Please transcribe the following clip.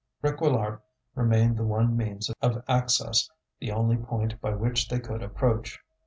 Réquillart remained the one means of access, the only point by which they could approach.